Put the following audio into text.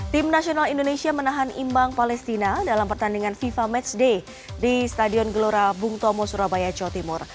tim nasional indonesia menahan imbang palestina dalam pertandingan fifa matchday di stadion gelora bung tomo surabaya jawa timur